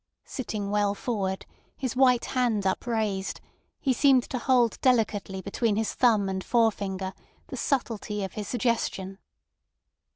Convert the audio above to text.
Sitting well forward, his white hand upraised, he seemed to hold delicately between his thumb and forefinger the subtlety of his suggestion.